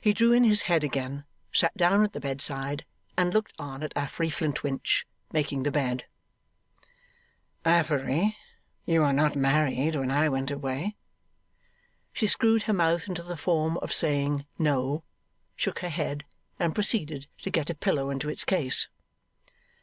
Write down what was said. He drew in his head again, sat down at the bedside, and looked on at Affery Flintwinch making the bed. 'Affery, you were not married when I went away.' She screwed her mouth into the form of saying 'No,' shook her head, and proceeded to get a pillow into its case.